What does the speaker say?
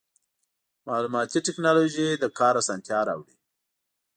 مالوماتي ټکنالوژي د کار اسانتیا راوړي.